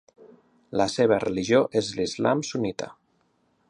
La seva religió és l'islam sunnita.